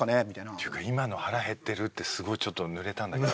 ていうか今の「腹減ってる？」ってすごいちょっとぬれたんだけど。